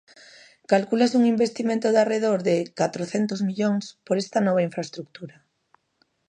Calcúlase un investimento de arredor de catrocentos millóns por esta nova infraestrutura.